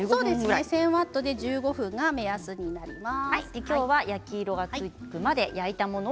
１０００ワットで１５分が目安です。